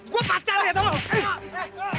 gue pacar ya tolong